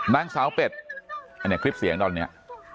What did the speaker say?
นางสาวเป็ดอันนี้คลิปเสียงตอนนี้